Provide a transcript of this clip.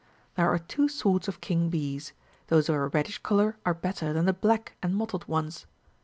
57 There are two sorts of king bees ; those of a reddish colour are better than the black and mottled ones.